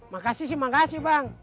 makasih sih makasih bang